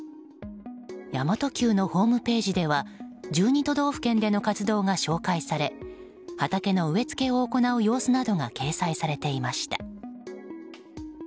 神真都Ｑのホームページでは１２都道府県での活動が紹介され畑の植え付けを行う様子などが掲載されていました。